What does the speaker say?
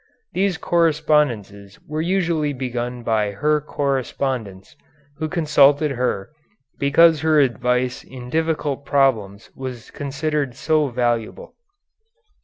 These correspondences were usually begun by her correspondents, who consulted her because her advice in difficult problems was considered so valuable.